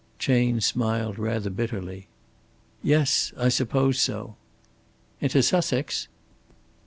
Chayne smiled rather bitterly. "Yes, I suppose so." "Into Sussex?"